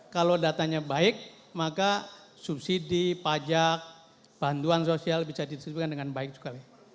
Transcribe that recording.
kalau datanya baik maka subsidi pajak bantuan sosial bisa didistribusikan dengan baik sekali